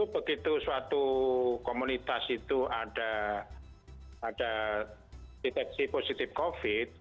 begitu suatu komunitas itu ada deteksi positif covid